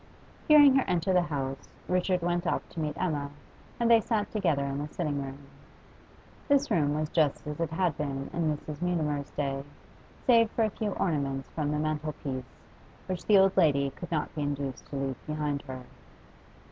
Hearing her enter the house, Richard went up to meet Emma, and they sat together in the sitting room. This room was just as it had been in Mrs. Mutimer's day, save for a few ornaments from the mantelpiece, which the old lady could not be induced to leave behind her.